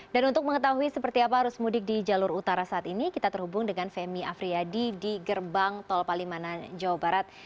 dan untuk mengetahui seperti apa harus mudik di jalur utara saat ini kita terhubung dengan femi afriyadi di gerbang tol palimanan jawa barat